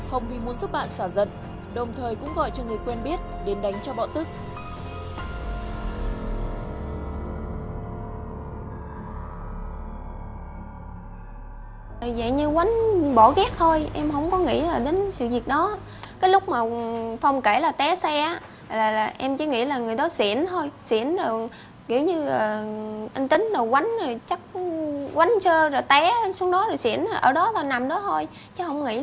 hồng vì muốn giúp bạn xả giận đồng thời cũng gọi cho người quen biết đến đánh cho bỏ tức